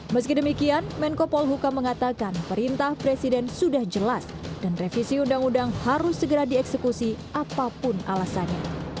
meski demikian menko polhuka mengatakan perintah presiden sudah jelas dan revisi undang undang harus segera dieksekusi apapun alasannya